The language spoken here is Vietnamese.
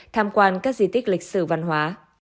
tham quan các di tích lịch sử văn hóa